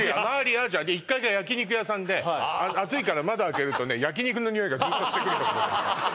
アジアで１階が焼き肉屋さんで暑いから窓開けるとね焼き肉のにおいがずっとしてくる所でね